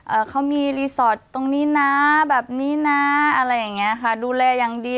เขามีรีสอร์ทตรงนี้นะแบบนี้นะอะไรอย่างเงี้ยค่ะดูแลอย่างดี